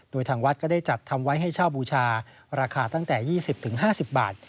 โดยทางวัดก็ได้จัดทำไว้ให้เช่าบูชาราคาตั้งแต่๒๐๕๐บาท